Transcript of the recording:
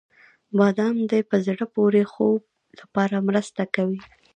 • بادام د په زړه پورې خوب لپاره مرسته کوي.